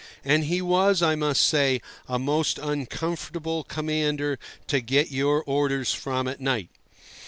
And he was, I must say, a most uncomfortable commander to get your orders from at night.